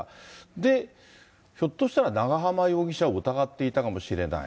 で、ひょっとしたら長浜容疑者を疑っていたかもしれない。